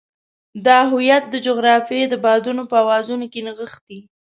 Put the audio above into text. دا هویت د جغرافیې د بادونو په اوازونو کې نغښتی.